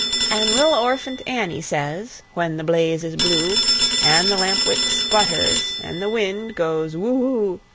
An' little Orphant Annie says, when the blaze is blue, An' the lampwick sputters, an' the wind goes woo oo!